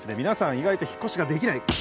皆さん意外と引っ越しができない。